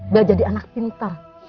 belajar jadi anak pintar